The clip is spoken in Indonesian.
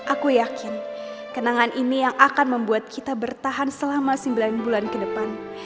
aku yakin kenangan ini yang akan membuat kita bertahan selama sembilan bulan ke depan